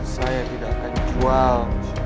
saya tidak akan jual